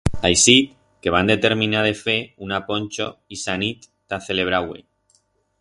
Aixit que van determinar de fer una poncho ixa nit ta celebrar-hue.